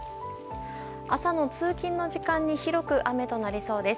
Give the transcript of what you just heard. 朝の通勤の時間に広く雨となりそうです。